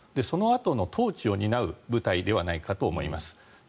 そのあとの統治を担う部隊ではないかと思います。